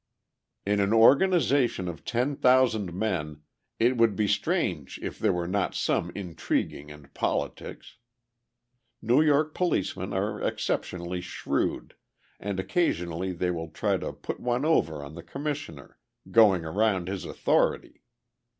In an organization of ten thousand men, it would be strange if there were not some intriguing and politics. New York policemen are exceptionally shrewd, and occasionally they will try to "put one over" on the Commissioner, going around his authority.